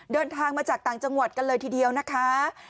เดินทางมาจากต่างจังหวัดกันเลยทีเดียวนะคะ